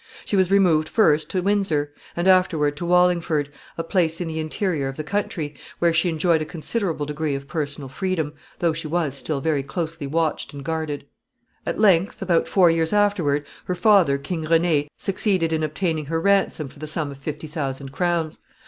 She was removed first to Windsor, and afterward to Wallingford, a place in the interior of the country, where she enjoyed a considerable degree of personal freedom, though she was still very closely watched and guarded. [Sidenote: She is ransomed.] At length, about four years afterward, her father, King René, succeeded in obtaining her ransom for the sum of fifty thousand crowns.